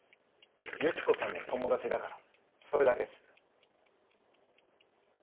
ユキコさんの友達だからそれだけっす。